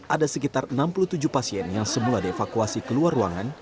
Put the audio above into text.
ada sekitar enam puluh tujuh pasien yang semula dievakuasi keluar ruangan